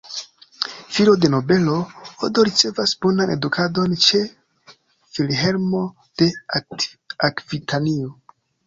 Filo de nobelo, Odo ricevas bonan edukadon ĉe Vilhelmo de Akvitanio.